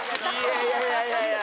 いやいやいやいや